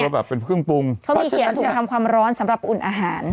แบบเป็นเครื่องปรุงเขามีเขียนถุงทำความร้อนสำหรับอุ่นอาหาร